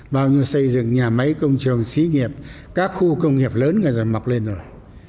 bao nhiêu xây dựng nhà máy công trường xí nghiệp các khu công nghiệp lớn người ta mọc lên rồi